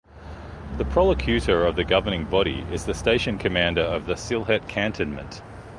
The prolocutor of the Governing Body is the station commander of Sylhet Cantonment.